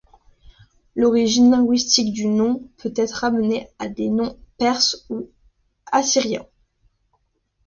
L'origine linguistique du nom peut-être ramenée à des noms Perses ou Assyriens.